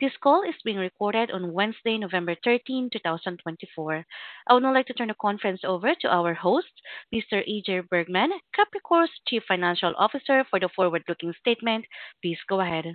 This call is being recorded on Wednesday, November 13, 2024. I would now like to turn the conference over to our host, Mr. A.J. Bergmann, Capricor's Chief Financial Officer for the forward-looking statement. Please go ahead.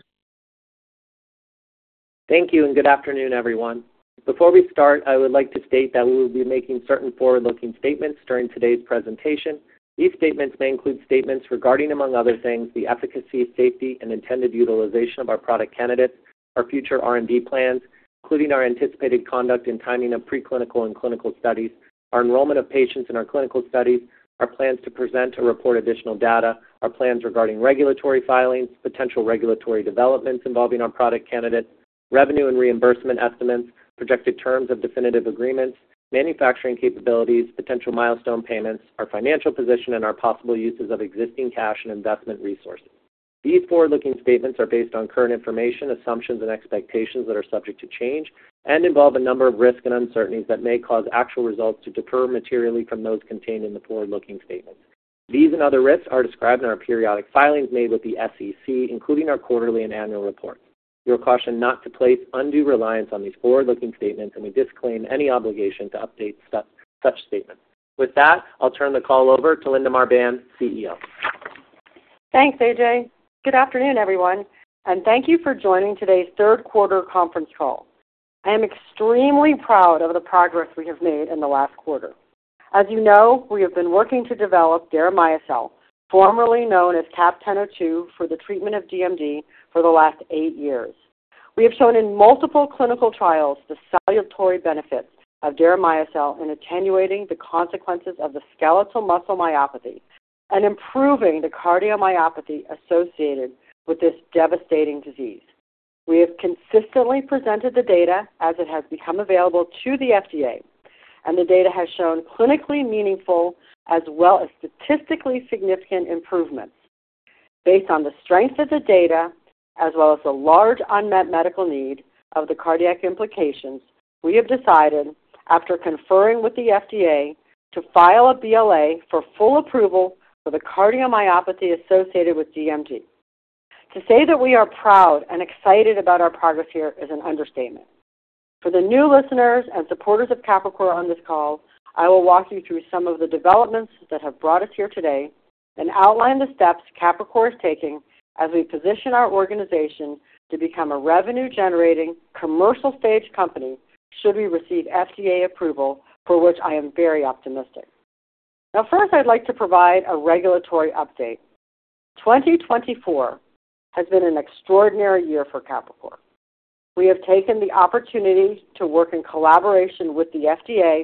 Thank you, and good afternoon, everyone. Before we start, I would like to state that we will be making certain forward-looking statements during today's presentation. These statements may include statements regarding, among other things, the efficacy, safety, and intended utilization of our product candidates, our future R&D plans, including our anticipated conduct and timing of preclinical and clinical studies, our enrollment of patients in our clinical studies, our plans to present or report additional data, our plans regarding regulatory filings, potential regulatory developments involving our product candidates, revenue and reimbursement estimates, projected terms of definitive agreements, manufacturing capabilities, potential milestone payments, our financial position, and our possible uses of existing cash and investment resources. These forward-looking statements are based on current information, assumptions, and expectations that are subject to change and involve a number of risks and uncertainties that may cause actual results to differ materially from those contained in the forward-looking statements. These and other risks are described in our periodic filings made with the SEC, including our quarterly and annual reports. You are cautioned not to place undue reliance on these forward-looking statements, and we disclaim any obligation to update such statements. With that, I'll turn the call over to Linda Marbán, CEO. Thanks, AJ. Good afternoon, everyone, and thank you for joining today's third quarter conference call. I am extremely proud of the progress we have made in the last quarter. As you know, we have been working to develop deramiocel, formerly known as CAP-1002, for the treatment of DMD for the last eight years. We have shown in multiple clinical trials the salutary benefits of deramiocel in attenuating the consequences of the skeletal muscle myopathy and improving the cardiomyopathy associated with this devastating disease. We have consistently presented the data as it has become available to the FDA, and the data has shown clinically meaningful as well as statistically significant improvements. Based on the strength of the data, as well as the large unmet medical need of the cardiac implications, we have decided, after conferring with the FDA, to file a BLA for full approval for the cardiomyopathy associated with DMD. To say that we are proud and excited about our progress here is an understatement. For the new listeners and supporters of Capricor on this call, I will walk you through some of the developments that have brought us here today and outline the steps Capricor is taking as we position our organization to become a revenue-generating commercial-stage company should we receive FDA approval, for which I am very optimistic. Now, first, I'd like to provide a regulatory update. 2024 has been an extraordinary year for Capricor. We have taken the opportunity to work in collaboration with the FDA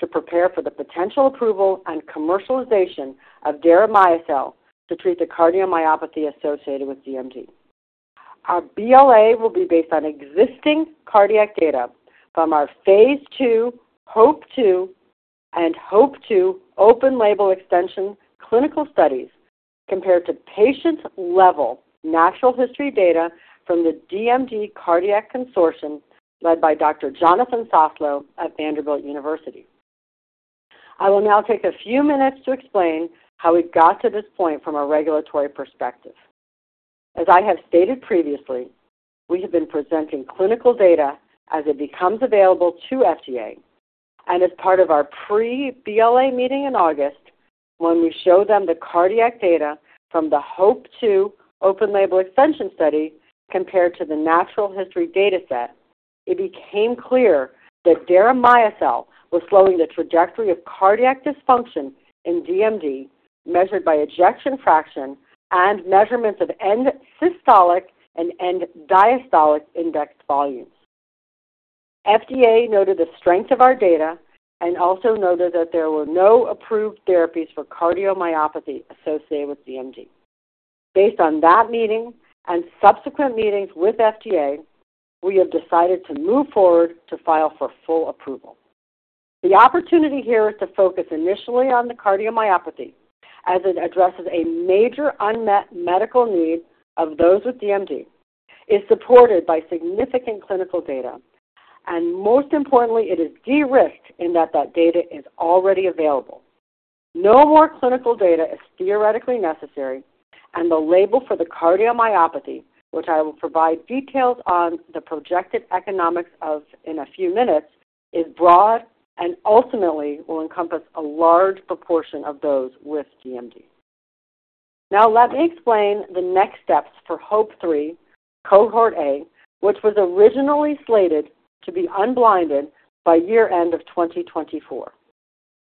to prepare for the potential approval and commercialization of deramiocel to treat the cardiomyopathy associated with DMD. Our BLA will be based on existing cardiac data from our phase 2, HOPE-2, and HOPE-2 open-label extension clinical studies compared to patient-level natural history data from the DMD Cardiac Consortium led by Dr. Jonathan Soslow at Vanderbilt University. I will now take a few minutes to explain how we got to this point from a regulatory perspective. As I have stated previously, we have been presenting clinical data as it becomes available to FDA, and as part of our pre-BLA meeting in August, when we showed them the cardiac data from the HOPE-2 open-label extension study compared to the natural history data set, it became clear that deramiocel was slowing the trajectory of cardiac dysfunction in DMD measured by ejection fraction and measurements of end-systolic and end-diastolic index volumes. FDA noted the strength of our data and also noted that there were no approved therapies for cardiomyopathy associated with DMD. Based on that meeting and subsequent meetings with FDA, we have decided to move forward to file for full approval. The opportunity here is to focus initially on the cardiomyopathy as it addresses a major unmet medical need of those with DMD. It's supported by significant clinical data, and most importantly, it is de-risked in that that data is already available. No more clinical data is theoretically necessary, and the label for the cardiomyopathy, which I will provide details on the projected economics of in a few minutes, is broad and ultimately will encompass a large proportion of those with DMD. Now, let me explain the next steps for HOPE-3, Cohort A, which was originally slated to be unblinded by year-end of 2024.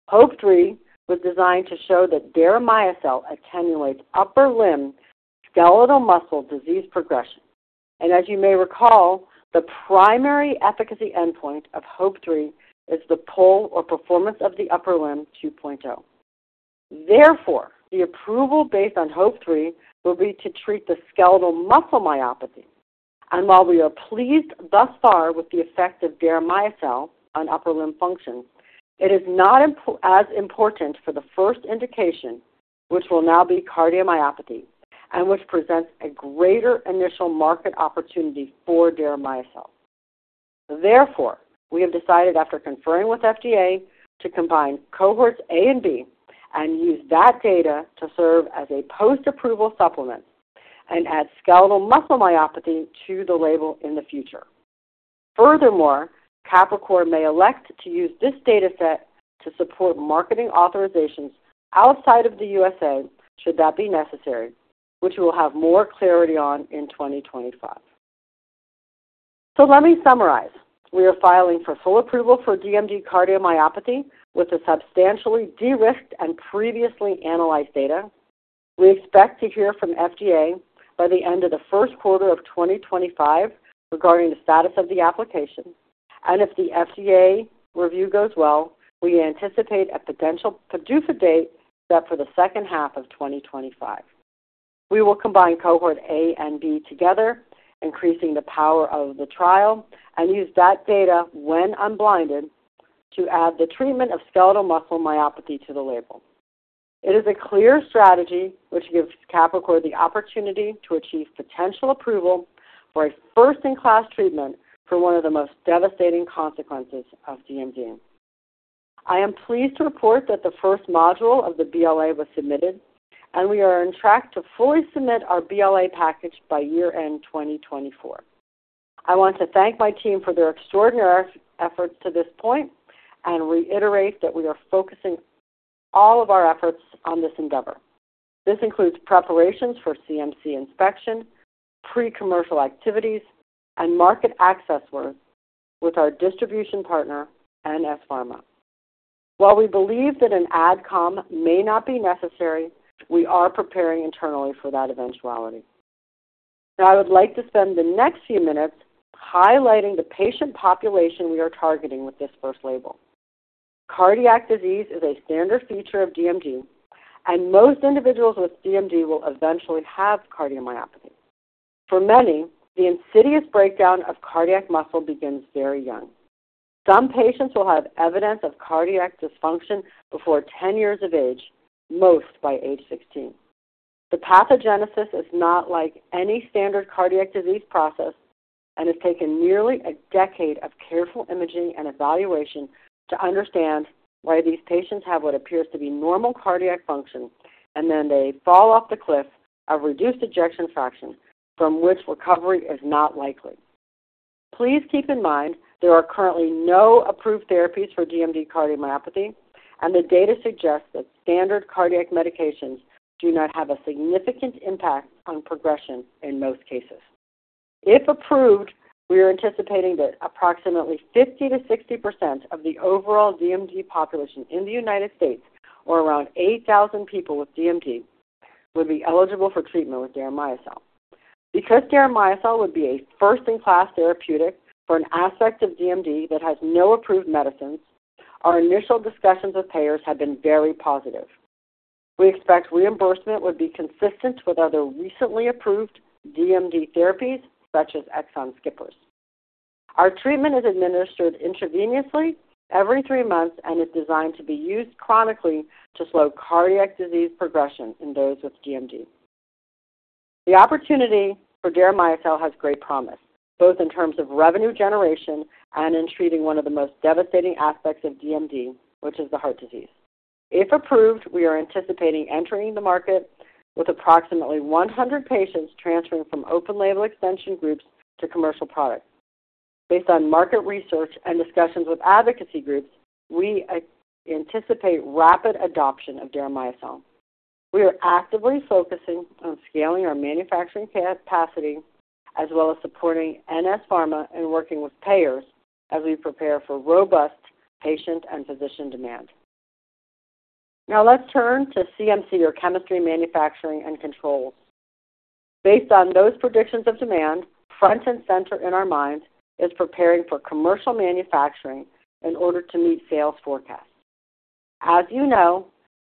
HOPE-3 was designed to show that deramiocel attenuates upper limb skeletal muscle disease progression, and as you may recall, the primary efficacy endpoint of HOPE-3 is the PUL, or Performance of the Upper Limb 2.0. Therefore, the approval based on HOPE-3 will be to treat the skeletal muscle myopathy, and while we are pleased thus far with the effect of deramiocel on upper limb function, it is not as important for the first indication, which will now be cardiomyopathy, and which presents a greater initial market opportunity for deramiocel. Therefore, we have decided, after conferring with FDA, to combine cohorts A and B and use that data to serve as a post-approval supplement and add skeletal muscle myopathy to the label in the future. Furthermore, Capricor may elect to use this data set to support marketing authorizations outside of the USA should that be necessary, which we will have more clarity on in 2025. So let me summarize. We are filing for full approval for DMD cardiomyopathy with a substantially de-risked and previously analyzed data. We expect to hear from FDA by the end of the first quarter of 2025 regarding the status of the application. And if the FDA review goes well, we anticipate a potential PDUFA date set for the second half of 2025. We will combine cohort A and B together, increasing the power of the trial, and use that data when unblinded to add the treatment of skeletal muscle myopathy to the label. It is a clear strategy which gives Capricor the opportunity to achieve potential approval for a first-in-class treatment for one of the most devastating consequences of DMD. I am pleased to report that the first module of the BLA was submitted, and we are on track to fully submit our BLA package by year-end 2024. I want to thank my team for their extraordinary efforts to this point and reiterate that we are focusing all of our efforts on this endeavor. This includes preparations for CMC inspection, pre-commercial activities, and market access work with our distribution partner, NS Pharma. While we believe that an AdCom may not be necessary, we are preparing internally for that eventuality. Now, I would like to spend the next few minutes highlighting the patient population we are targeting with this first label. Cardiac disease is a standard feature of DMD, and most individuals with DMD will eventually have cardiomyopathy. For many, the insidious breakdown of cardiac muscle begins very young. Some patients will have evidence of cardiac dysfunction before 10 years of age, most by age 16. The pathogenesis is not like any standard cardiac disease process and has taken nearly a decade of careful imaging and evaluation to understand why these patients have what appears to be normal cardiac function, and then they fall off the cliff of reduced ejection fraction from which recovery is not likely. Please keep in mind there are currently no approved therapies for DMD cardiomyopathy, and the data suggests that standard cardiac medications do not have a significant impact on progression in most cases. If approved, we are anticipating that approximately 50%-60% of the overall DMD population in the United States, or around 8,000 people with DMD, would be eligible for treatment with deramiocel. Because deramiocel would be a first-in-class therapeutic for an aspect of DMD that has no approved medicines, our initial discussions with payers have been very positive. We expect reimbursement would be consistent with other recently approved DMD therapies such as exon skippers. Our treatment is administered intravenously every three months and is designed to be used chronically to slow cardiac disease progression in those with DMD. The opportunity for deramiocel has great promise, both in terms of revenue generation and in treating one of the most devastating aspects of DMD, which is the heart disease. If approved, we are anticipating entering the market with approximately 100 patients transferring from open-label extension groups to commercial products. Based on market research and discussions with advocacy groups, we anticipate rapid adoption of deramiocel. We are actively focusing on scaling our manufacturing capacity as well as supporting NS Pharma and working with payers as we prepare for robust patient and physician demand. Now, let's turn to CMC, or Chemistry, Manufacturing, and Controls. Based on those predictions of demand, front and center in our minds is preparing for commercial manufacturing in order to meet sales forecasts. As you know,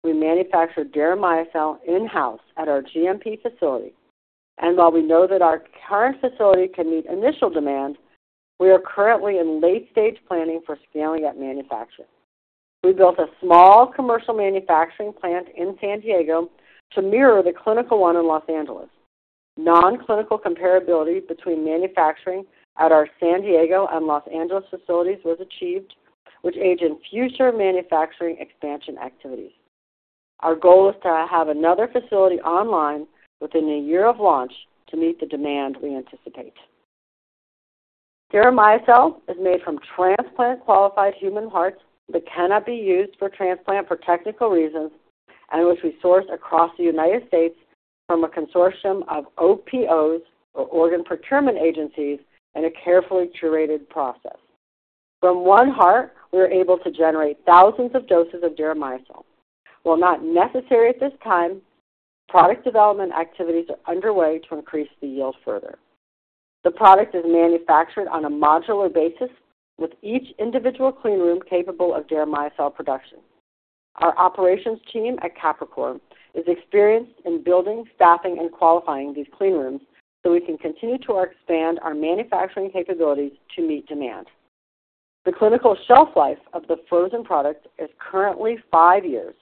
we manufacture deramiocel in-house at our GMP facility, and while we know that our current facility can meet initial demand, we are currently in late-stage planning for scaling up manufacturing. We built a small commercial manufacturing plant in San Diego to mirror the clinical one in Los Angeles. Non-clinical comparability between manufacturing at our San Diego and Los Angeles facilities was achieved, which aids in future manufacturing expansion activities. Our goal is to have another facility online within a year of launch to meet the demand we anticipate. Deramiocel is made from transplant-qualified human hearts that cannot be used for transplant for technical reasons and which we source across the United States from a consortium of OPOs, or organ procurement agencies, in a carefully curated process. From one heart, we are able to generate thousands of doses of deramiocel. While not necessary at this time, product development activities are underway to increase the yield further. The product is manufactured on a modular basis, with each individual clean room capable of deramiocel production. Our operations team at Capricor is experienced in building, staffing, and qualifying these clean rooms so we can continue to expand our manufacturing capabilities to meet demand. The clinical shelf life of the frozen product is currently five years,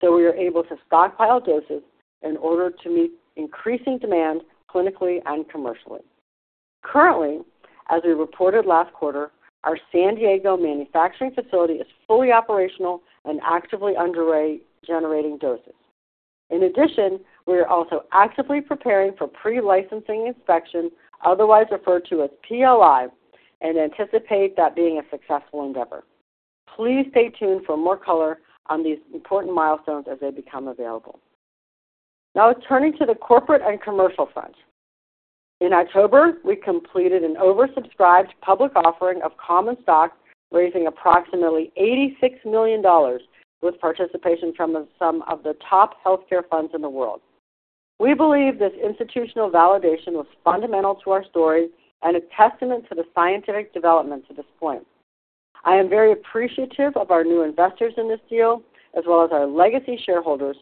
so we are able to stockpile doses in order to meet increasing demand clinically and commercially. Currently, as we reported last quarter, our San Diego manufacturing facility is fully operational and actively underway generating doses. In addition, we are also actively preparing for pre-license inspection, otherwise referred to as PLI, and anticipate that being a successful endeavor. Please stay tuned for more color on these important milestones as they become available. Now, turning to the corporate and commercial front. In October, we completed an oversubscribed public offering of common stock, raising approximately $86 million with participation from some of the top healthcare funds in the world. We believe this institutional validation was fundamental to our story and a testament to the scientific development to this point. I am very appreciative of our new investors in this deal, as well as our legacy shareholders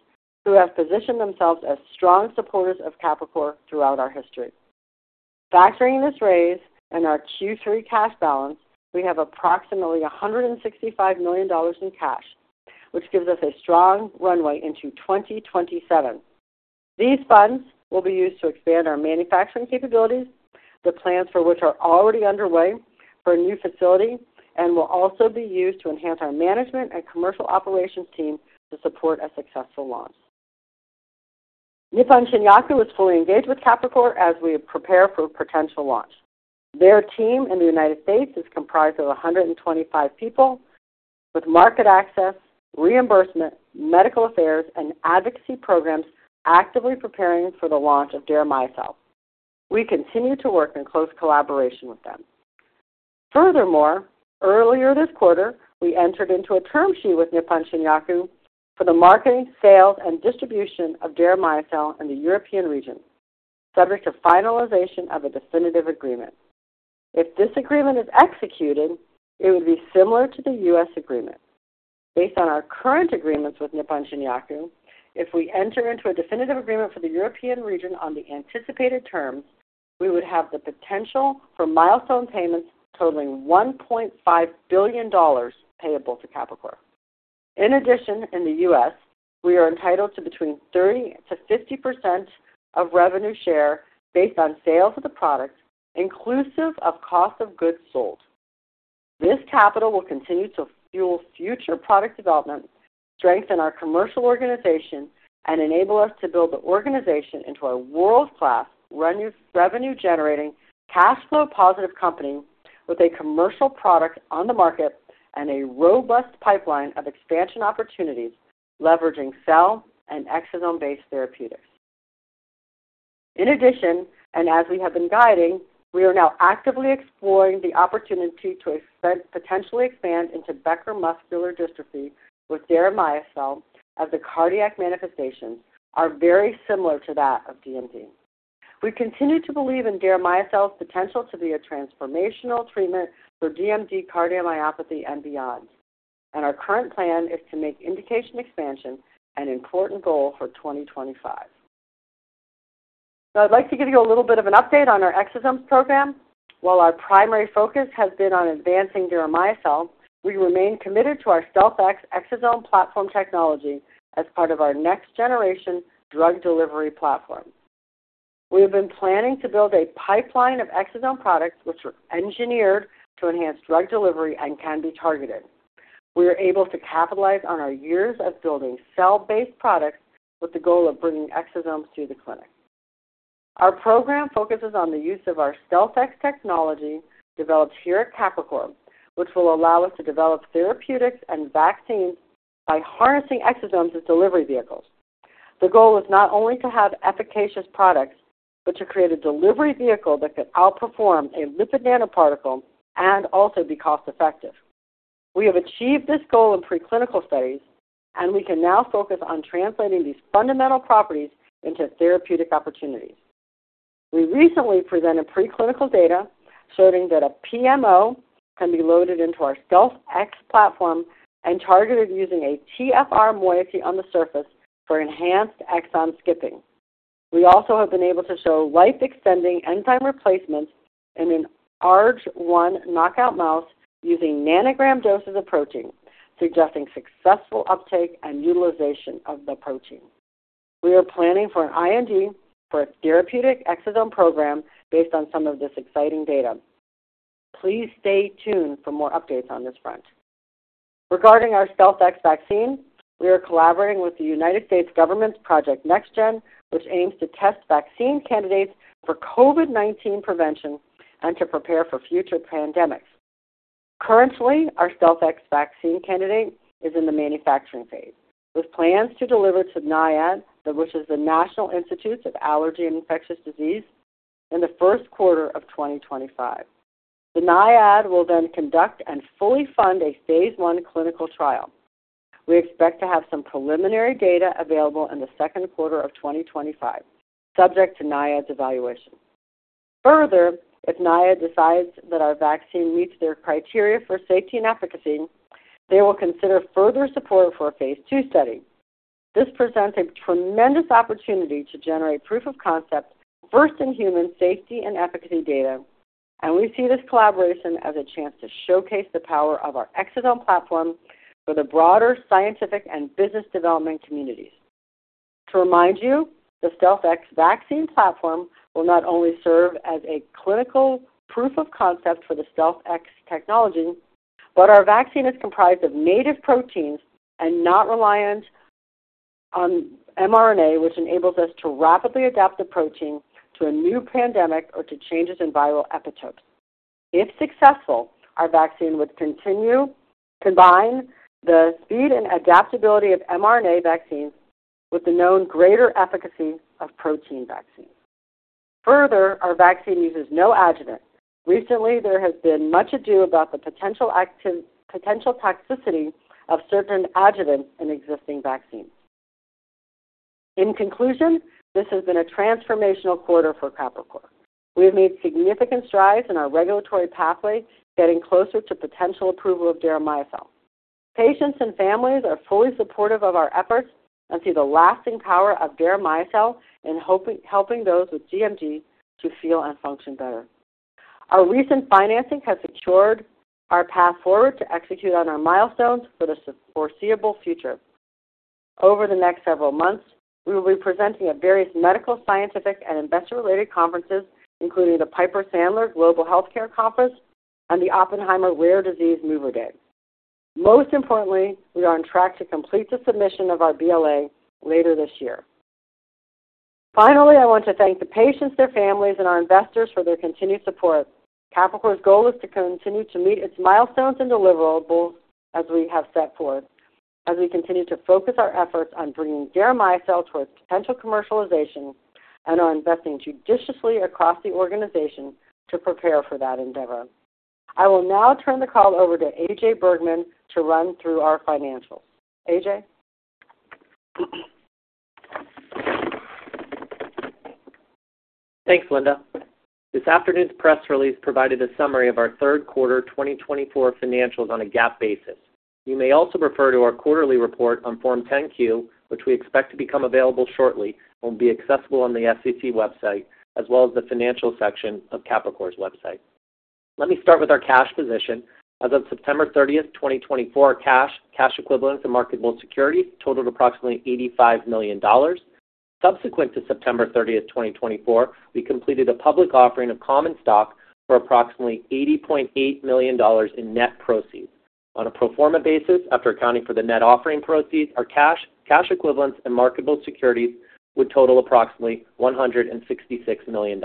who have positioned themselves as strong supporters of Capricor throughout our history. Factoring this raise and our Q3 cash balance, we have approximately $165 million in cash, which gives us a strong runway into 2027. These funds will be used to expand our manufacturing capabilities, the plans for which are already underway for a new facility, and will also be used to enhance our management and commercial operations team to support a successful launch. Nippon Shinyaku is fully engaged with Capricor as we prepare for potential launch. Their team in the United States is comprised of 125 people with market access, reimbursement, medical affairs, and advocacy programs actively preparing for the launch of deramiocel. We continue to work in close collaboration with them. Furthermore, earlier this quarter, we entered into a term sheet with Nippon Shinyaku for the marketing, sales, and distribution of deramiocel in the European region, subject to finalization of a definitive agreement. If this agreement is executed, it would be similar to the U.S. agreement. Based on our current agreements with Nippon Shinyaku, if we enter into a definitive agreement for the European region on the anticipated terms, we would have the potential for milestone payments totaling $1.5 billion payable to Capricor. In addition, in the U.S., we are entitled to between 30% to 50% of revenue share based on sales of the product, inclusive of cost of goods sold. This capital will continue to fuel future product development, strengthen our commercial organization, and enable us to build the organization into a world-class revenue-generating, cash flow positive company with a commercial product on the market and a robust pipeline of expansion opportunities leveraging cell and exosome-based therapeutics. In addition, and as we have been guiding, we are now actively exploring the opportunity to potentially expand into Becker muscular dystrophy with deramiocel as the cardiac manifestations are very similar to that of DMD. We continue to believe in deramiocel's potential to be a transformational treatment for DMD cardiomyopathy and beyond, and our current plan is to make indication expansion an important goal for 2025. Now, I'd like to give you a little bit of an update on our exosomes program. While our primary focus has been on advancing deramiocel, we remain committed to our StealthX exosome platform technology as part of our next-generation drug delivery platform. We have been planning to build a pipeline of exosome products which are engineered to enhance drug delivery and can be targeted. We are able to capitalize on our years of building cell-based products with the goal of bringing exosomes to the clinic. Our program focuses on the use of our StealthX technology developed here at Capricor, which will allow us to develop therapeutics and vaccines by harnessing exosomes as delivery vehicles. The goal is not only to have efficacious products, but to create a delivery vehicle that can outperform a lipid nanoparticle and also be cost-effective. We have achieved this goal in preclinical studies, and we can now focus on translating these fundamental properties into therapeutic opportunities. We recently presented preclinical data showing that a PMO can be loaded into our StealthX platform and targeted using a TfR moiety on the surface for enhanced exon skipping. We also have been able to show life-extending enzyme replacements in an ARG-1 knockout mouse using nanogram doses of protein, suggesting successful uptake and utilization of the protein. We are planning for an IND for a therapeutic exosome program based on some of this exciting data. Please stay tuned for more updates on this front. Regarding our StealthX vaccine, we are collaborating with the United States government's Project NextGen, which aims to test vaccine candidates for COVID-19 prevention and to prepare for future pandemics. Currently, our StealthX vaccine candidate is in the manufacturing phase, with plans to deliver to NIAID, which is the National Institute of Allergy and Infectious Diseases, in the first quarter of 2025. The NIAID will then conduct and fully fund a phase one clinical trial. We expect to have some preliminary data available in the second quarter of 2025, subject to NIAID's evaluation. Further, if NIAID decides that our vaccine meets their criteria for safety and efficacy, they will consider further support for a phase two study. This presents a tremendous opportunity to generate proof of concept first-in-human safety and efficacy data, and we see this collaboration as a chance to showcase the power of our exosome platform for the broader scientific and business development communities. To remind you, the StealthX vaccine platform will not only serve as a clinical proof of concept for the StealthX technology, but our vaccine is comprised of native proteins and not reliant on mRNA, which enables us to rapidly adapt the protein to a new pandemic or to changes in viral epitopes. If successful, our vaccine would combine the speed and adaptability of mRNA vaccines with the known greater efficacy of protein vaccines. Further, our vaccine uses no adjuvant. Recently, there has been much ado about the potential toxicity of certain adjuvants in existing vaccines. In conclusion, this has been a transformational quarter for Capricor. We have made significant strides in our regulatory pathway, getting closer to potential approval of deramiocel. Patients and families are fully supportive of our efforts and see the lasting power of deramiocel in helping those with DMD to feel and function better. Our recent financing has secured our path forward to execute on our milestones for the foreseeable future. Over the next several months, we will be presenting at various medical, scientific, and investor-related conferences, including the Piper Sandler Global Healthcare Conference and the Oppenheimer Rare Disease Mover Day. Most importantly, we are on track to complete the submission of our BLA later this year. Finally, I want to thank the patients, their families, and our investors for their continued support. Capricor's goal is to continue to meet its milestones and deliverables as we have set forth, as we continue to focus our efforts on bringing deramiocel towards potential commercialization and are investing judiciously across the organization to prepare for that endeavor. I will now turn the call over to AJ Bergmann to run through our financials. AJ? Thanks, Linda. This afternoon's press release provided a summary of our third quarter 2024 financials on a GAAP basis. You may also refer to our quarterly report on Form 10-Q, which we expect to become available shortly and will be accessible on the SEC website, as well as the financial section of Capricor's website. Let me start with our cash position. As of September 30, 2024, cash, cash equivalents, and marketable securities totaled approximately $85 million. Subsequent to September 30, 2024, we completed a public offering of common stock for approximately $80.8 million in net proceeds. On a pro forma basis, after accounting for the net offering proceeds, our cash, cash equivalents, and marketable securities would total approximately $166 million.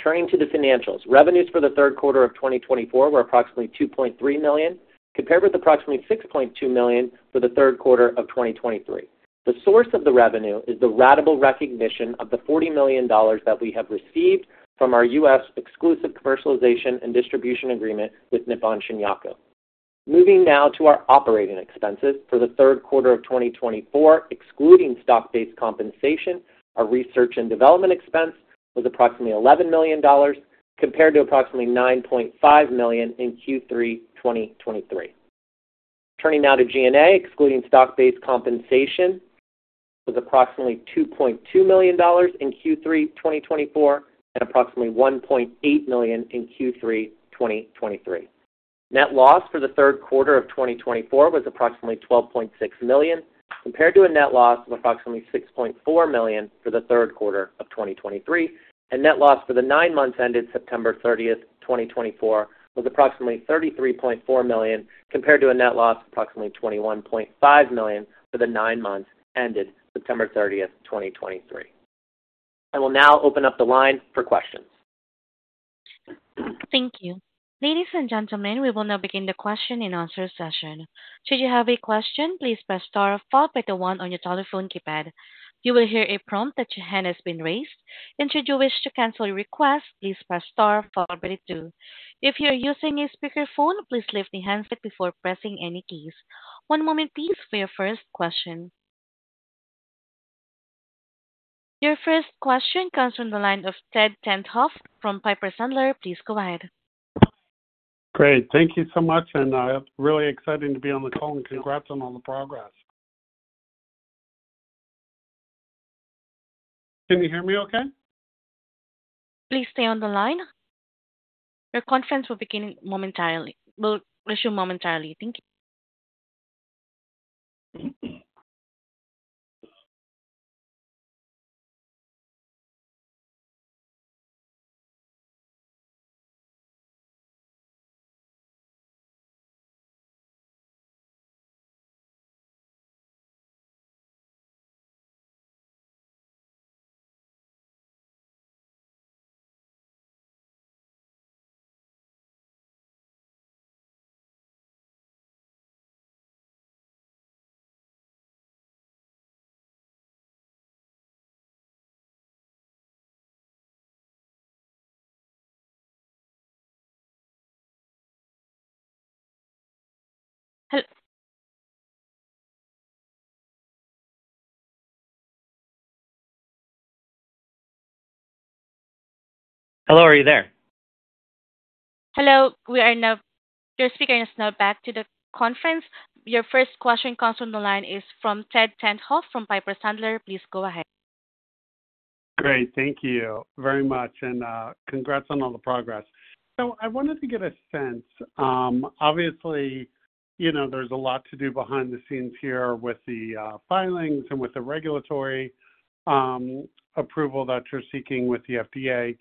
Turning to the financials, revenues for the third quarter of 2024 were approximately $2.3 million, compared with approximately $6.2 million for the third quarter of 2023. The source of the revenue is the ratable recognition of the $40 million that we have received from our U.S. exclusive commercialization and distribution agreement with Nippon Shinyaku. Moving now to our operating expenses for the third quarter of 2024, excluding stock-based compensation, our research and development expense was approximately $11 million, compared to approximately $9.5 million in Q3 2023. Turning now to G&A, excluding stock-based compensation, was approximately $2.2 million in Q3 2024 and approximately $1.8 million in Q3 2023. Net loss for the third quarter of 2024 was approximately $12.6 million, compared to a net loss of approximately $6.4 million for the third quarter of 2023. And net loss for the nine months ended September 30, 2024, was approximately $33.4 million, compared to a net loss of approximately $21.5 million for the nine months ended September 30, 2023. I will now open up the line for questions. Thank you. Ladies and gentlemen, we will now begin the question and answer session. Should you have a question, please press star, one on your telephone keypad. You will hear a prompt that your hand has been raised. And should you wish to cancel your request, please press star, two. Your first question comes from the line of Ted Tenthoff from Piper Sandler. Please go ahead. Great. Thank you very much, and congrats on all the progress. So I wanted to get a sense. Obviously, there's a lot to do behind the scenes here with the filings and with the regulatory approval that you're seeking with the FDA.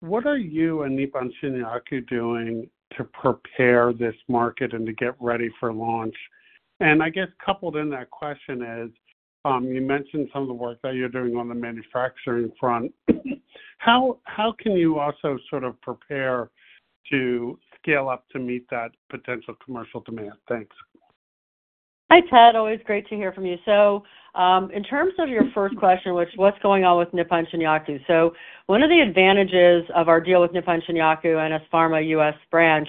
What are you and Nippon Shinyaku doing to prepare this market and to get ready for launch? I guess coupled in that question is you mentioned some of the work that you're doing on the manufacturing front. How can you also sort of prepare to scale up to meet that potential commercial demand? Thanks. Hi, Ted. Always great to hear from you. In terms of your first question, which was what's going on with Nippon Shinyaku? One of the advantages of our deal with Nippon Shinyaku and its NS Pharma U.S. branch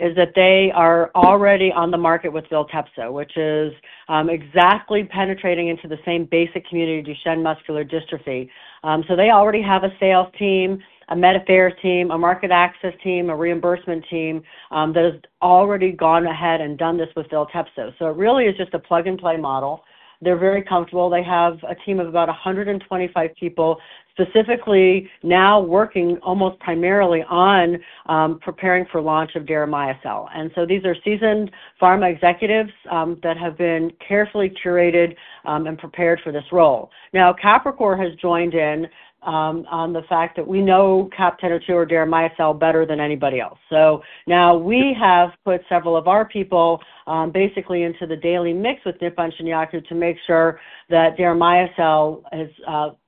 is that they are already on the market with Viltepso, which is exactly penetrating into the same basic community of Duchenne muscular dystrophy. They already have a sales team, a medical affairs team, a market access team, a reimbursement team that has already gone ahead and done this with Viltepso. So it really is just a plug-and-play model. They're very comfortable. They have a team of about 125 people specifically now working almost primarily on preparing for launch of deramiocel. And so these are seasoned pharma executives that have been carefully curated and prepared for this role. Now, Capricor has joined in on the fact that we know CAP-1002 or deramiocel better than anybody else. So now we have put several of our people basically into the daily mix with Nippon Shinyaku to make sure that deramiocel is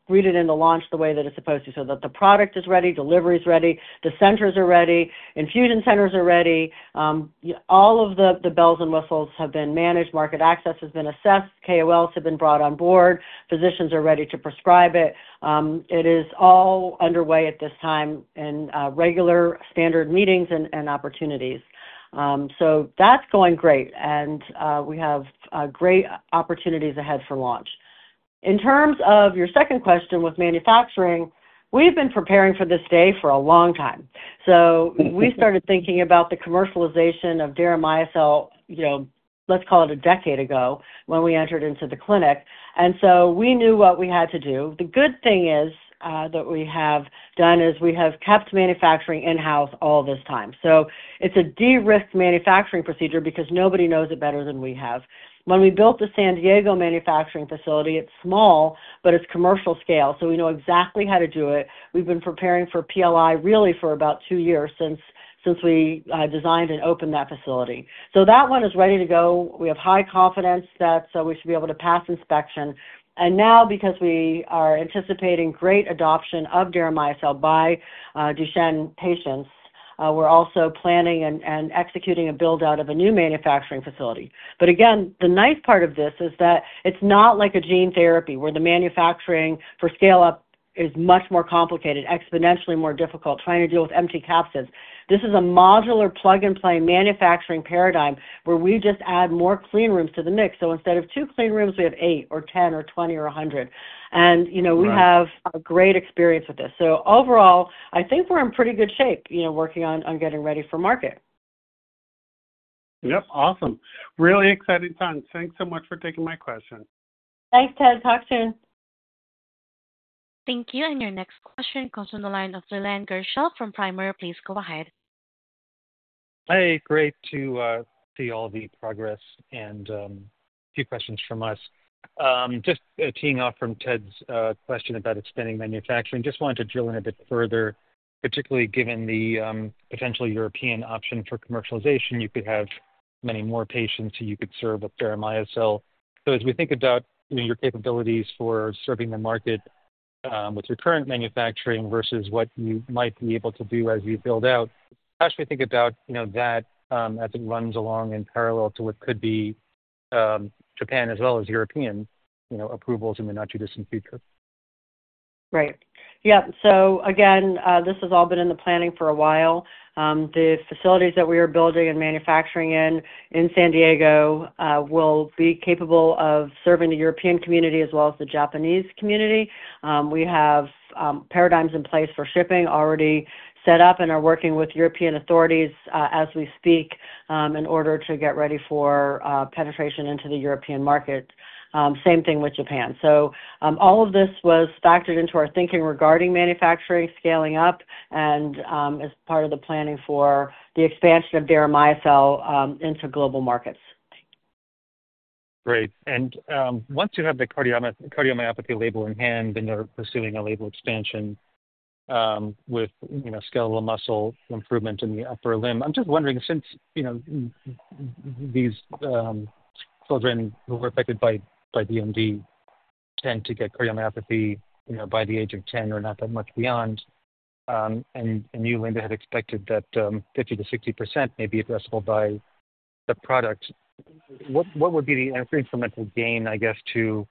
greeted in the launch the way that it's supposed to, so that the product is ready, delivery is ready, the centers are ready, infusion centers are ready. All of the bells and whistles have been managed. Market access has been assessed. KOLs have been brought on board. Physicians are ready to prescribe it. It is all underway at this time in regular standard meetings and opportunities. So that's going great. And we have great opportunities ahead for launch. In terms of your second question with manufacturing, we've been preparing for this day for a long time. So we started thinking about the commercialization of deramiocel, let's call it a decade ago when we entered into the clinic. And so we knew what we had to do. The good thing is that we have done is we have kept manufacturing in-house all this time. So it's a de-risk manufacturing procedure because nobody knows it better than we have. When we built the San Diego manufacturing facility, it's small, but it's commercial scale. So we know exactly how to do it. We've been preparing for PLI really for about two years since we designed and opened that facility. So that one is ready to go. We have high confidence that we should be able to pass inspection. And now, because we are anticipating great adoption of deramiocel by Duchenne patients, we're also planning and executing a build-out of a new manufacturing facility. But again, the nice part of this is that it's not like a gene therapy where the manufacturing for scale-up is much more complicated, exponentially more difficult, trying to deal with empty capsules. This is a modular plug-and-play manufacturing paradigm where we just add more clean rooms to the mix. So instead of two clean rooms, we have eight or 10 or 20 or 100. And we have a great experience with this. So overall, I think we're in pretty good shape working on getting ready for market. Yep. Awesome. Really exciting times. Thanks so much for taking my question. Thanks, Ted. Talk soon. Thank you. And your next question comes from the line of Leland Gershell from Oppenheimer. Please go ahead. Hey. Great to see all the progress and a few questions from us. Just teeing off from Ted's question about expanding manufacturing, just wanted to drill in a bit further, particularly given the potential European option for commercialization. You could have many more patients who you could serve with deramiocel. So as we think about your capabilities for serving the market with your current manufacturing versus what you might be able to do as you build out, how should we think about that as it runs along in parallel to what could be Japan as well as European approvals in the not-too-distant future? Right. Yep. So again, this has all been in the planning for a while. The facilities that we are building and manufacturing in San Diego will be capable of serving the European community as well as the Japanese community. We have paradigms in place for shipping already set up and are working with European authorities as we speak in order to get ready for penetration into the European market. Same thing with Japan. So all of this was factored into our thinking regarding manufacturing, scaling up, and as part of the planning for the expansion of deramiocel into global markets. Great. Once you have the cardiomyopathy label in hand and you're pursuing a label expansion with skeletal muscle improvement in the upper limb, I'm just wondering, since these children who were affected by DMD tend to get cardiomyopathy by the age of 10 or not that much beyond, and you, Linda, had expected that 50%-60% may be addressable by the product, what would be the incremental gain, I guess, to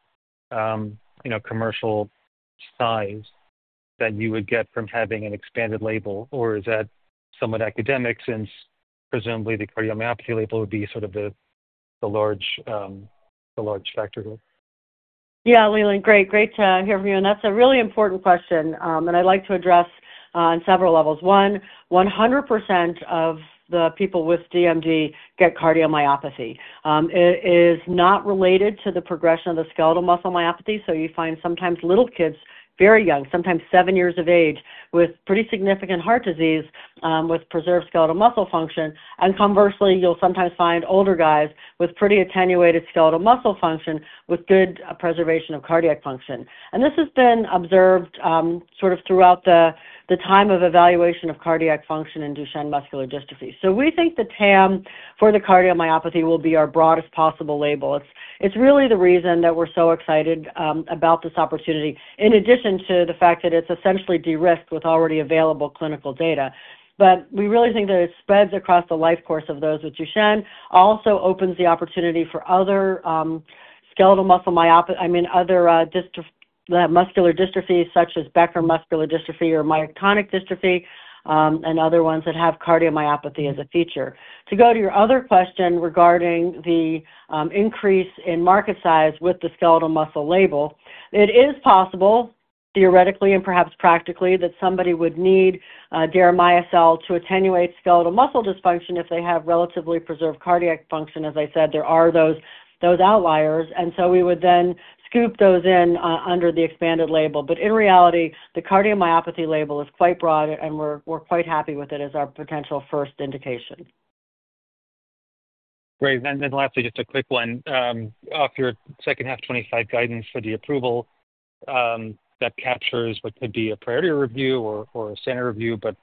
commercial size that you would get from having an expanded label? Or is that somewhat academic since presumably the cardiomyopathy label would be sort of the large factor? Yeah, Leland. Great. Great to hear from you. And that's a really important question. And I'd like to address on several levels. One, 100% of the people with DMD get cardiomyopathy. It is not related to the progression of the skeletal muscle myopathy. So you find sometimes little kids, very young, sometimes seven years of age, with pretty significant heart disease with preserved skeletal muscle function. And conversely, you'll sometimes find older guys with pretty attenuated skeletal muscle function with good preservation of cardiac function. And this has been observed sort of throughout the time of evaluation of cardiac function in Duchenne muscular dystrophy. So we think the TAM for the cardiomyopathy will be our broadest possible label. It's really the reason that we're so excited about this opportunity, in addition to the fact that it's essentially de-risked with already available clinical data. But we really think that it spreads across the life course of those with Duchenne. Also opens the opportunity for other skeletal muscle myopathy, I mean, other muscular dystrophies such as Becker muscular dystrophy or myotonic dystrophy and other ones that have cardiomyopathy as a feature. To go to your other question regarding the increase in market size with the skeletal muscle label, it is possible, theoretically and perhaps practically, that somebody would need Deramiocel to attenuate skeletal muscle dysfunction if they have relatively preserved cardiac function. As I said, there are those outliers, and so we would then scoop those in under the expanded label. But in reality, the cardiomyopathy label is quite broad, and we're quite happy with it as our potential first indication. Great, and then lastly, just a quick one. Off your second half 2025 guidance for the approval that captures what could be a priority review or a standard review, but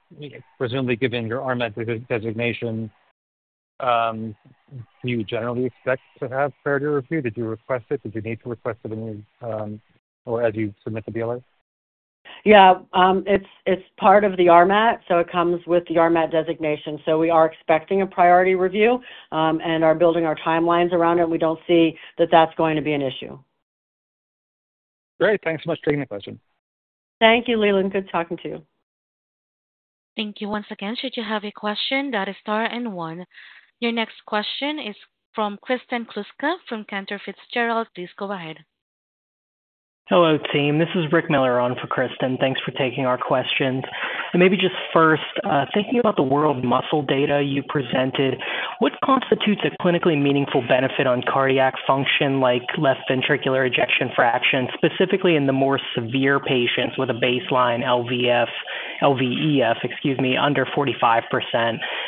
presumably given your RMAT designation, do you generally expect to have priority review? Did you request it? Did you need to request it or as you submit the BLA? Yeah. It's part of the RMAT. It comes with the RMAT designation. So we are expecting a priority review and are building our timelines around it. We don't see that that's going to be an issue. Great. Thanks so much for taking the question. Thank you, Leland. Good talking to you. Thank you once again. Should you have a question, that is star and one. Your next question is from Kristen Kluska from Cantor Fitzgerald. Please go ahead. Hello, team. This is Rick Miller on for Kristen. Thanks for taking our questions. And maybe just first, thinking about the World Muscle data you presented, what constitutes a clinically meaningful benefit on cardiac function like left ventricular ejection fraction, specifically in the more severe patients with a baseline LVEF, excuse me, under 45%?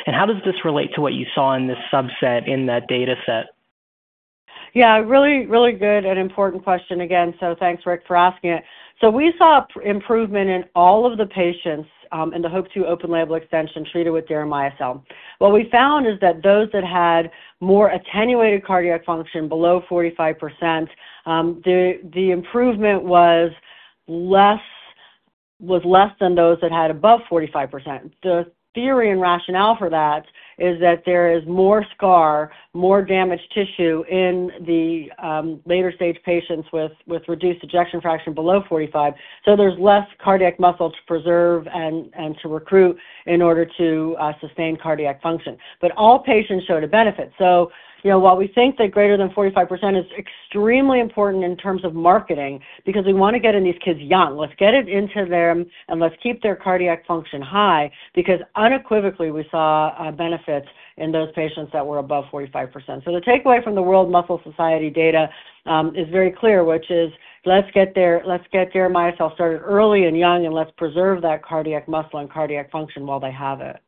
And how does this relate to what you saw in this subset in that dataset? Yeah. Really, really good and important question again. Thanks, Rick, for asking it. We saw improvement in all of the patients in the HOPE-2 open label extension treated with deramiocel. What we found is that those that had more attenuated cardiac function below 45%, the improvement was less than those that had above 45%. The theory and rationale for that is that there is more scar, more damaged tissue in the later stage patients with reduced ejection fraction below 45. So there's less cardiac muscle to preserve and to recruit in order to sustain cardiac function. But all patients showed a benefit. While we think that greater than 45% is extremely important in terms of marketing because we want to get in these kids young, let's get it into them and let's keep their cardiac function high because unequivocally we saw benefits in those patients that were above 45%. The takeaway from the World Muscle Society data is very clear, which is let's get deramiocel started early and young and let's preserve that cardiac muscle and cardiac function while they have it.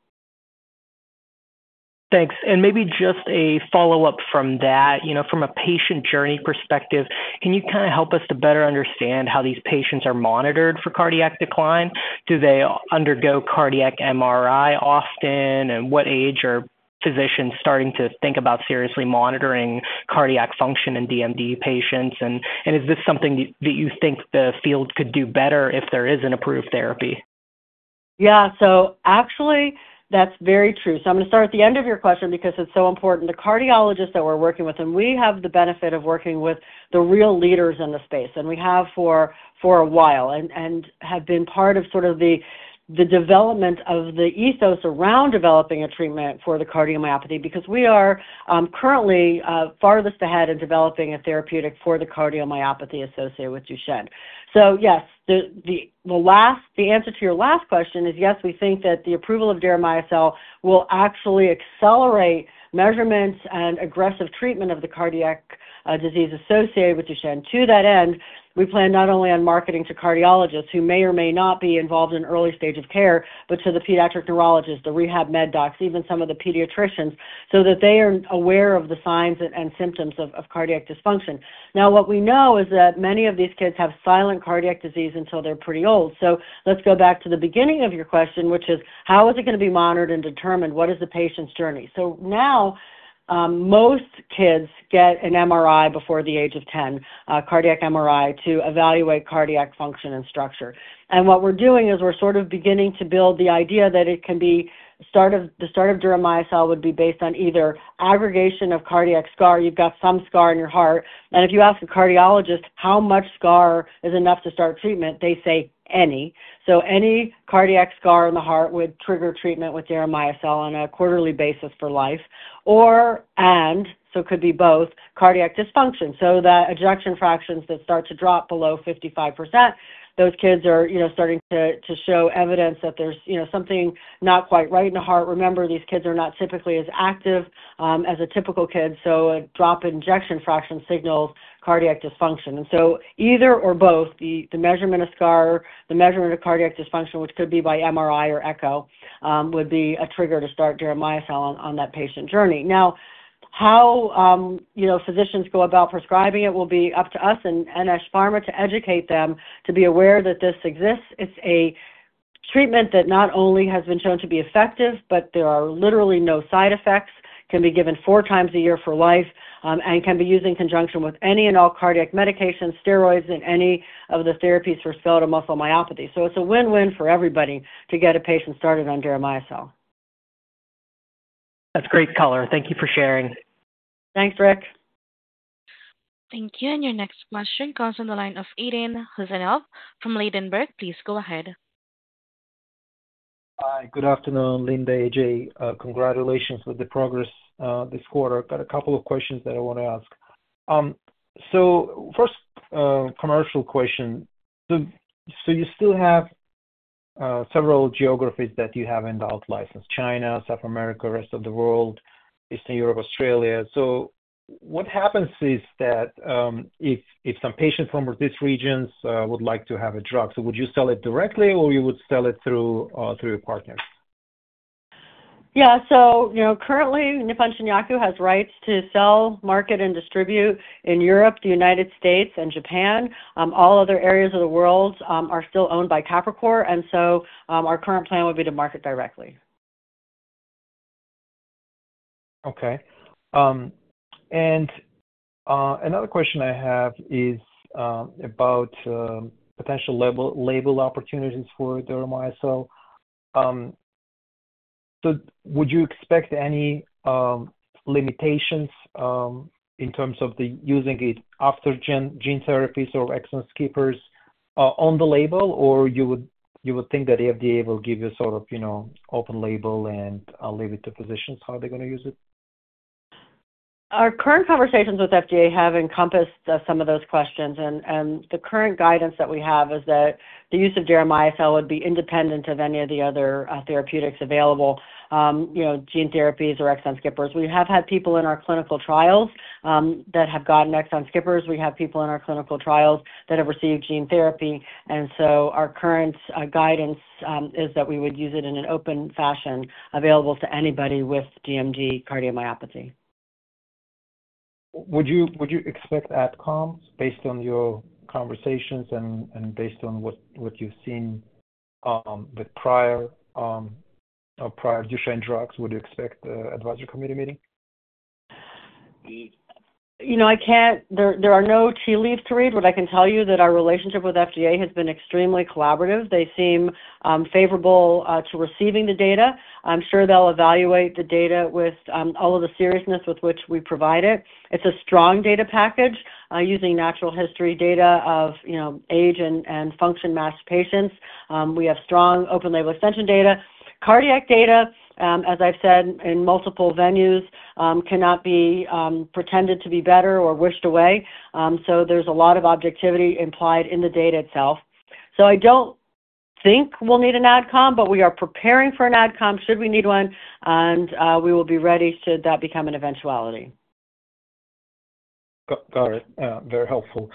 Thanks. And maybe just a follow-up from that. From a patient journey perspective, can you kind of help us to better understand how these patients are monitored for cardiac decline? Do they undergo cardiac MRI often? And what age are physicians starting to think about seriously monitoring cardiac function in DMD patients? And is this something that you think the field could do better if there is an approved therapy? Yeah. So actually, that's very true. So I'm going to start at the end of your question because it's so important. The cardiologists that we're working with, and we have the benefit of working with the real leaders in the space, and we have for a while and have been part of sort of the development of the ethos around developing a treatment for the cardiomyopathy because we are currently farthest ahead in developing a therapeutic for the cardiomyopathy associated with Duchenne. So yes, the answer to your last question is yes, we think that the approval of deramiocel will actually accelerate measurements and aggressive treatment of the cardiac disease associated with Duchenne. To that end, we plan not only on marketing to cardiologists who may or may not be involved in early stage of care, but to the pediatric neurologists, the rehab med docs, even some of the pediatricians so that they are aware of the signs and symptoms of cardiac dysfunction. Now, what we know is that many of these kids have silent cardiac disease until they're pretty old. So let's go back to the beginning of your question, which is how is it going to be monitored and determined. What is the patient's journey. So now most kids get an MRI before the age of 10, cardiac MRI to evaluate cardiac function and structure. And what we're doing is we're sort of beginning to build the idea that it can be the start of deramiocel would be based on either aggregation of cardiac scar. You've got some scar in your heart. And if you ask a cardiologist how much scar is enough to start treatment, they say any. So any cardiac scar in the heart would trigger treatment with deramiocel on a quarterly basis for life. Or, and so it could be both, cardiac dysfunction. So that ejection fractions that start to drop below 55%, those kids are starting to show evidence that there's something not quite right in the heart. Remember, these kids are not typically as active as a typical kid. So a drop in ejection fraction signals cardiac dysfunction. And so either or both, the measurement of scar, the measurement of cardiac dysfunction, which could be by MRI or echo, would be a trigger to start deramiocel on that patient journey. Now, how physicians go about prescribing it will be up to us and NS Pharma to educate them to be aware that this exists. It's a treatment that not only has been shown to be effective, but there are literally no side effects, can be given four times a year for life, and can be used in conjunction with any and all cardiac medications, steroids, and any of the therapies for skeletal muscle myopathy. So it's a win-win for everybody to get a patient started on deramiocel. That's great color. Thank you for sharing. Thanks, Rick. Thank you. And your next question comes from the line of Aydin Huseynov from Ladenburg. Please go ahead. Hi. Good afternoon, Linda AJ. Congratulations with the progress this quarter. Got a couple of questions that I want to ask. So first, commercial question. So you still have several geographies that you have not licensed: China, South America, rest of the world, Eastern Europe, Australia. What happens is that if some patients from these regions would like to have a drug. So would you sell it directly or you would sell it through your partners? Yeah. So currently, Nippon Shinyaku has rights to sell, market, and distribute in Europe, the United States, and Japan. All other areas of the world are still owned by Capricor. And so our current plan would be to market directly. Okay. And another question I have is about potential label opportunities for deramiocel. So would you expect any limitations in terms of using it after gene therapies or exon skippers on the label, or you would think that the FDA will give you sort of open label and leave it to physicians how they're going to use it? Our current conversations with FDA have encompassed some of those questions. The current guidance that we have is that the use of deramiocel would be independent of any of the other therapeutics available, gene therapies or exon skippers. We have had people in our clinical trials that have gotten exon skippers. We have people in our clinical trials that have received gene therapy. Our current guidance is that we would use it in an open fashion available to anybody with DMD cardiomyopathy. Would you expect outcomes based on your conversations and based on what you've seen with prior Duchenne drugs? Would you expect advisory committee meeting? There are no tea leaves to read. What I can tell you is that our relationship with FDA has been extremely collaborative. They seem favorable to receiving the data. I'm sure they'll evaluate the data with all of the seriousness with which we provide it. It's a strong data package using natural history data of age and function matched patients. We have strong open label extension data. Cardiac data, as I've said, in multiple venues cannot be pretended to be better or wished away, so there's a lot of objectivity implied in the data itself, so I don't think we'll need an AdCom, but we are preparing for an AdCom should we need one, and we will be ready should that become an eventuality. Got it. Very helpful.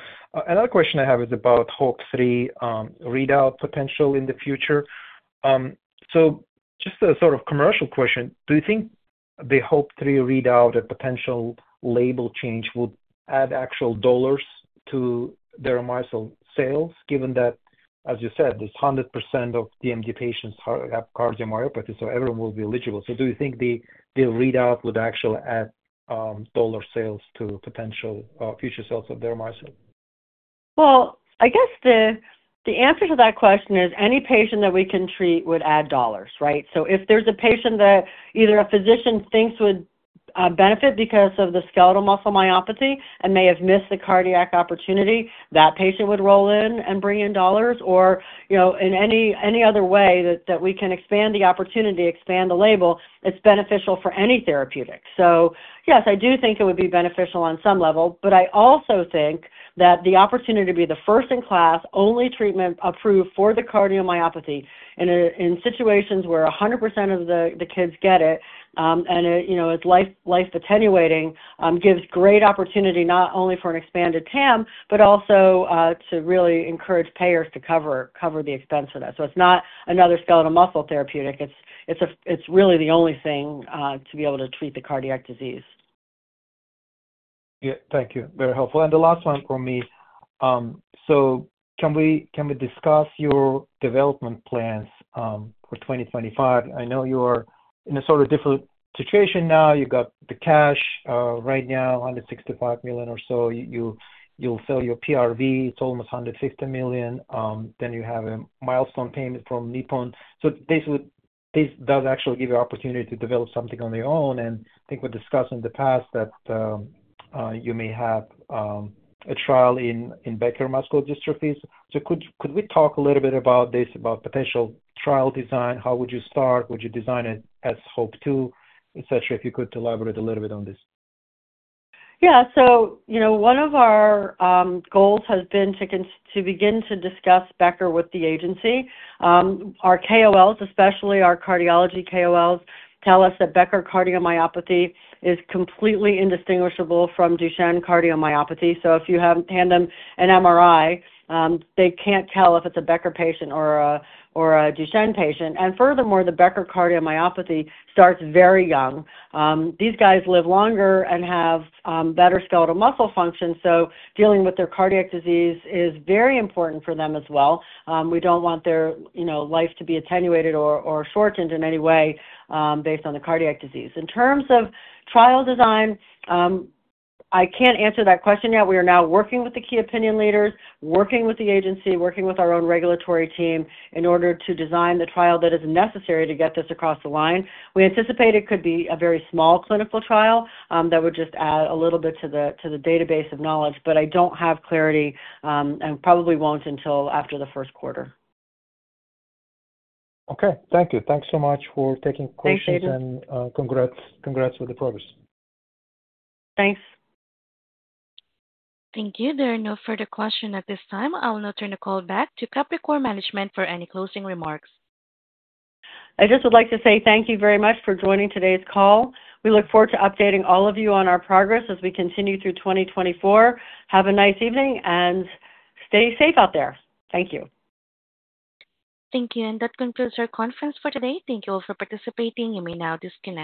Another question I have is about HOPE-3 readout potential in the future, so just a sort of commercial question. Do you think the HOPE-3 readout and potential label change would add actual dollars to deramiocel sales given that, as you said, there's 100% of DMD patients have cardiomyopathy, so everyone will be eligible? So do you think the readout would actually add dollar sales to potential future sales of deramiocel? Well, I guess the answer to that question is any patient that we can treat would add dollars, right? So if there's a patient that either a physician thinks would benefit because of the skeletal muscle myopathy and may have missed the cardiac opportunity, that patient would roll in and bring in dollars. Or in any other way that we can expand the opportunity, expand the label, it's beneficial for any therapeutic. So yes, I do think it would be beneficial on some level. But I also think that the opportunity to be the first-in-class only treatment approved for the cardiomyopathy in situations where 100% of the kids get it and it's life-attenuating, gives great opportunity not only for an expanded TAM, but also to really encourage payers to cover the expense of that. So it's not another skeletal muscle therapeutic. It's really the only thing to be able to treat the cardiac disease. Yeah. Thank you. Very helpful. And the last one for me. So can we discuss your development plans for 2025? I know you're in a sort of different situation now. You've got the cash right now, $165 million or so. You'll sell your PRV. It's almost $150 million. Then you have a milestone payment from Nippon. So this does actually give you opportunity to develop something on your own. I think we discussed in the past that you may have a trial in Becker muscular dystrophy. So could we talk a little bit about this, about potential trial design? How would you start? Would you design it as HOPE-2, etc., if you could elaborate a little bit on this? Yeah. So one of our goals has been to begin to discuss Becker with the agency. Our KOLs, especially our cardiology KOLs, tell us that Becker cardiomyopathy is completely indistinguishable from Duchenne cardiomyopathy. So if you hand them an MRI, they can't tell if it's a Becker patient or a Duchenne patient. And furthermore, the Becker cardiomyopathy starts very young. These guys live longer and have better skeletal muscle function. So dealing with their cardiac disease is very important for them as well. We don't want their life to be attenuated or shortened in any way based on the cardiac disease. In terms of trial design, I can't answer that question yet. We are now working with the key opinion leaders, working with the agency, working with our own regulatory team in order to design the trial that is necessary to get this across the line. We anticipate it could be a very small clinical trial that would just add a little bit to the database of knowledge. But I don't have clarity and probably won't until after the first quarter. Okay. Thank you. Thanks so much for taking questions. Thank you. And congrats for the progress. Thanks. Thank you. There are no further questions at this time. I'll now turn the call back to Capricor management for any closing remarks. I just would like to say thank you very much for joining today's call. We look forward to updating all of you on our progress as we continue through 2024. Have a nice evening and stay safe out there. Thank you. Thank you. And that concludes our conference for today. Thank you all for participating. You may now disconnect.